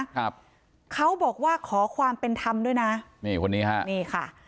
ครับเขาบอกว่าขอความเป็นธรรมด้วยนะนี่คนนี้ฮะนี่ค่ะ